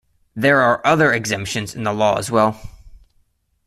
There are other exemptions in the law as well.